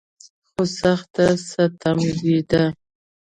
خو سخت ستمېده.